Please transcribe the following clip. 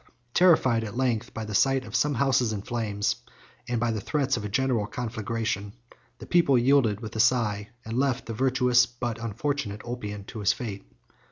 Terrified, at length, by the sight of some houses in flames, and by the threats of a general conflagration, the people yielded with a sigh, and left the virtuous but unfortunate Ulpian to his fate.